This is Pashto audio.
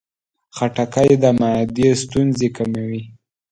خټکی د معدې ستونزې کموي.